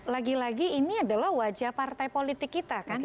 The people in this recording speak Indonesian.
lagi lagi ini adalah wajah partai politik kita kan